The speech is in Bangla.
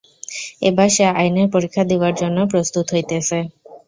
এবার সে আইনের পরীক্ষা দিবার জন্য প্রস্তুত হইতেছে।